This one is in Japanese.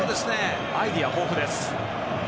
アイデア豊富です。